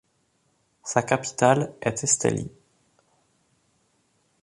Sa capitale est Estelí.